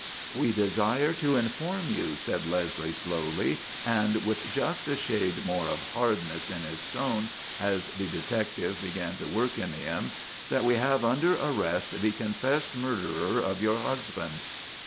"We desire to inform you," said Leslie slowly, and with just a shade more of hardness in his tone as the detective began to work in him, "that we have under arrest the confessed murderer of your husband."